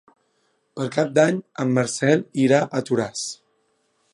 Per Cap d'Any en Marcel irà a Toràs.